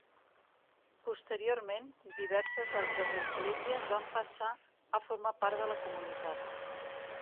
Posteriorment, diverses altres esglésies van passar a formar part de la comunitat.